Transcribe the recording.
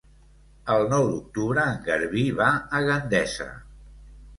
El nou d'octubre en Garbí va a Gandesa.